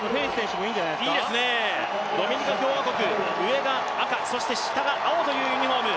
ドミニカ共和国、上が赤そして下が青というユニフォーム。